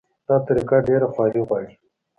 دا طریقه ډېره خواري غواړي.